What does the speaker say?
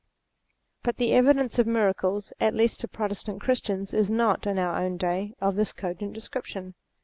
But the evidence of miracles, at least to Protestant Christians, is not, in our own day, of this cogent description.